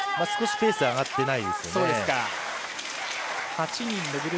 少しペース上がってないですよね。